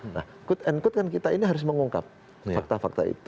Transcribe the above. nah kut and kut kan kita ini harus mengungkap fakta fakta itu